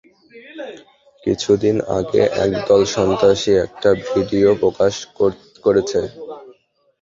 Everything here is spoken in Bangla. কিছুদিন আগে, একদল সন্ত্রাসী একটা ভিডিও প্রকাশ করেছে।